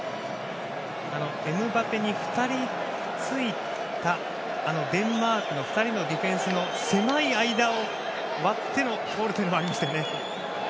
エムバペに２人ついたデンマークの２人のディフェンスの狭い間を割ってのゴールというのもありましたよね。